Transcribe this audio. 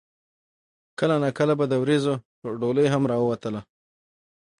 کله نا کله به د وريځو ډولۍ هم راوتله